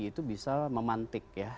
itu bisa memantik ya